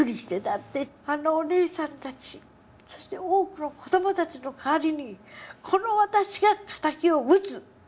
だってあのおねえさんたちそして多くの子どもたちの代わりにこの私が敵を討つ！